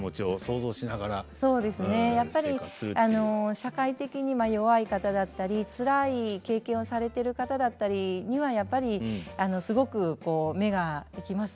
社会的にまあ弱い方だったりつらい経験をされてる方だったりにはやっぱりすごくこう目が行きます。